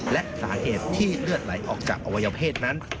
และสาเหตุที่เลือดไหลออกจากอวัยเพศนั้น